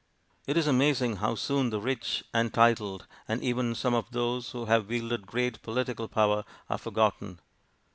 It is amazing how soon the rich and titled, and even some of those who have wielded great political power, are forgotten.